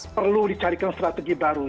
perlu dicarikan strategi baru